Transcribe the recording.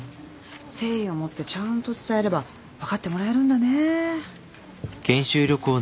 誠意を持ってちゃんと伝えれば分かってもらえるんだね。